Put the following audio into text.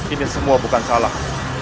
ini semua bukan salah